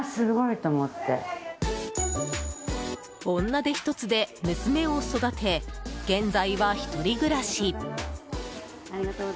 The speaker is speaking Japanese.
女手ひとつで娘を育て現在は１人暮らし。